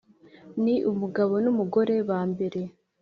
ni umugabo n’umugore ba mbere.